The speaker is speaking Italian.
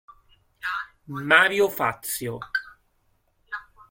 Mario Fazio